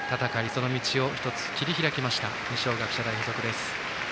その道を１つ切り開きました二松学舎大付属です。